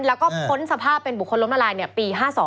แล้วก็พ้นสภาพเป็นบุคคลล้มละลายปี๕๒